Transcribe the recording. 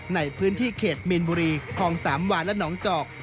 ในพื้นที่เขตมีนบุรีคลองสามวานและหนองจอก